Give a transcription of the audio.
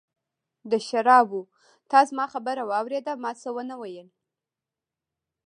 د شرابو، تا زما خبره واورېده، ما څه ونه ویل.